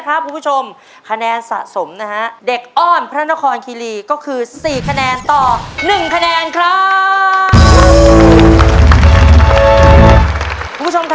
คุณผู้ชมคะแนนสะสมนะฮะเด็กอ้อนพระนครคิรีก็คือ๔คะแนนต่อ๑คะแนนครับ